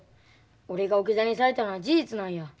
俺が置き去りにされたのは事実なんや。